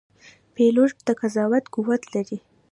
پیلوټ د قضاوت قوت لري.